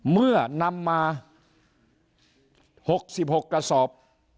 เมื่อนำมา๖๖กระสอบ